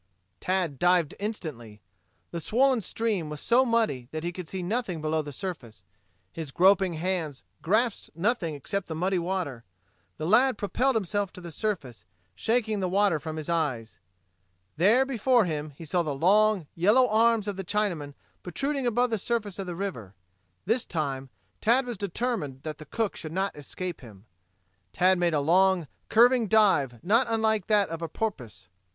Tad dived instantly. The swollen stream was so muddy that he could see nothing below the surface. His groping hands grasped nothing except the muddy water. The lad propelled himself to the surface, shaking the water from his eyes. There before him he saw the long, yellow arms of the Chinaman protruding above the surface of the river. This time, Tad was determined that the cook should not escape him. Tad made a long, curving dive not unlike that of a porpoise.